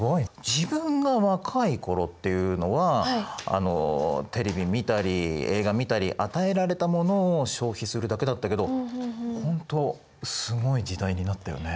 自分が若い頃っていうのはテレビ見たり映画見たり与えられたものを消費するだけだったけどほんとすごい時代になったよね。